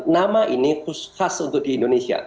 nama ini khas untuk di indonesia